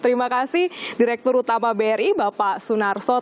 terima kasih direktur utama bri bapak sunarso